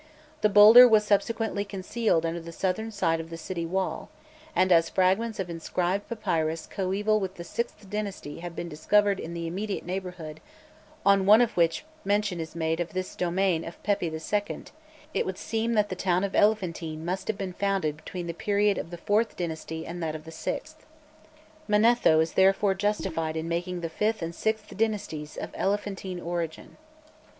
The boulder was subsequently concealed under the southern side of the city wall, and as fragments of inscribed papyrus coeval with the sixth dynasty have been discovered in the immediate neighbourhood, on one of which mention is made of "this domain" of Pepi II., it would seem that the town of Elephantine must have been founded between the period of the fourth dynasty and that of the sixth. Manetho is therefore justified in making the fifth and sixth dynasties of Elephantine origin.